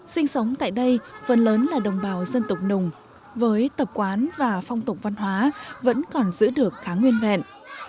sinh sống tại đây phần lớn là đồng bào dân tộc nùng với tập quán và phong tục văn hóa vẫn còn giữ được khá nguyên vẹn